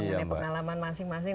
mengenai pengalaman masing masing